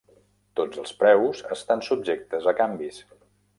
Tots els preus estan subjectes a canvis.